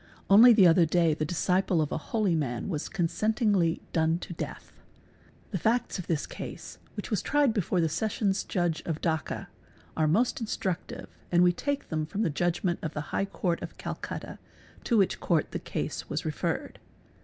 Only thi other day the disciple of a holy man was consentingly done to death The facts of this case, which was tried before the Sessions Judge o Dacca, are most instructive and we take them from the judgment of t High Court of Calcutta to which Court the case was referred.